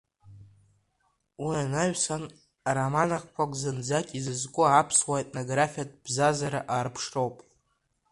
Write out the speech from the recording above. Уи анаҩсан, ароман ахқәак зынӡак изызку аԥсуа етнографиатә бзазара аарԥшроуп.